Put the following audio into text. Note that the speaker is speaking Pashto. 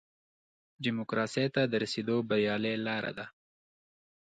ډیموکراسۍ ته د رسېدو بریالۍ لاره ده.